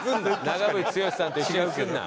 長渕剛さんと一緒にすんな。